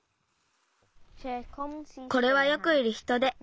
これはよくいるヒトデ。